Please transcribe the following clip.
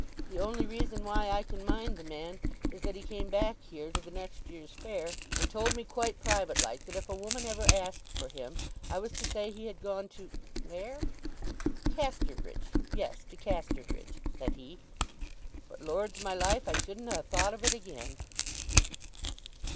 The only reason why I can mind the man is that he came back here to the next year's fair, and told me quite private like that if a woman ever asked for him I was to say he had gone to—where?—Casterbridge—yes—to Casterbridge, said he. But, Lord's my life, I shouldn't ha' thought of it again!"